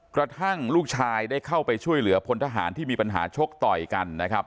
กระทั่งลูกชายได้เข้าไปช่วยเหลือพลทหารที่มีปัญหาชกต่อยกันนะครับ